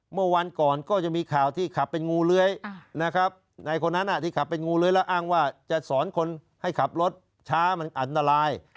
เมื่อวันก่อนก็จะมีข่าวที่ขับเป็นงูเลื้อยนะครับในคนนั้นที่ขับเป็นงูเลื้อยแล้วอ้างว่าจะสอนคนให้ขับรถช้ามันอันตราย